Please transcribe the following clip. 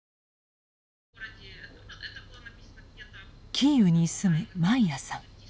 キーウに住むマイヤさん。